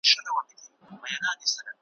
د ملا مسكين پر كور باندي ناورين سو ,